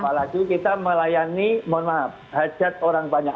apalagi kita melayani mohon maaf hajat orang banyak